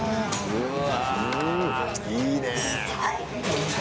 うわ。